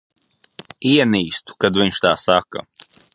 Ienīstu, kad viņš tā saka.